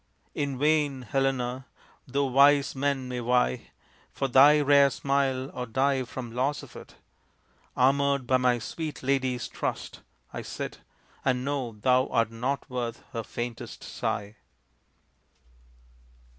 In vain, Helena! though wise men may vie For thy rare smile or die from loss of it, Armored by my sweet lady's trust, I sit, And know thou art not worth her faintest sigh.